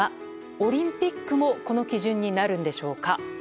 オリンピックもこの基準になるんでしょうか。